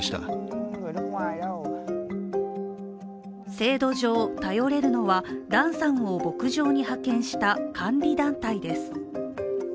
制度上、頼れるのはダンさんを牧場に派遣した監理団体です。